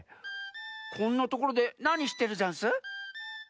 こんなところでなにしてるざんす？